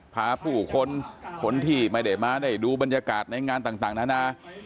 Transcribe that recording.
พาผู้คนคนที่ไม่ได้มาได้ดูบรรยากาศในงานต่างนานา